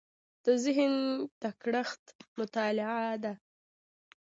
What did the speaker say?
د ذهن تکړښت مطالعه ده.